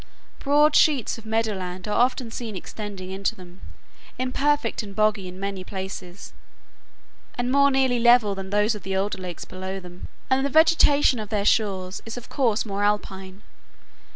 Broad sheets of meadow land are seen extending into them, imperfect and boggy in many places and more nearly level than those of the older lakes below them, and the vegetation of their shores is of course more alpine.